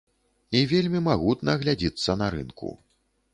І вельмі магутна глядзіцца на рынку.